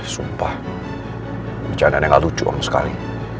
sumpah bercandaan yang gak lucu om sekali